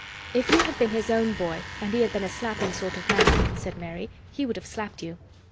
"If you had been his own boy and he had been a slapping sort of man," said Mary, "he would have slapped you."